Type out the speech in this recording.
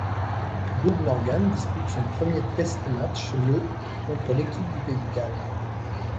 Doug Morgan dispute son premier test match le contre l'équipe du pays de Galles.